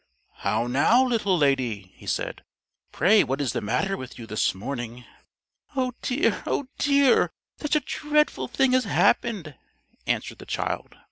"How now, little lady," he said, "pray what is the matter with you this morning?" "Oh dear, oh dear, such a dreadful thing has happened!" answered the child.